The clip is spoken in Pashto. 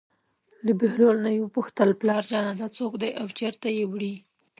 له بهلول نه یې وپوښتل: پلارجانه دا څوک دی او چېرته یې وړي.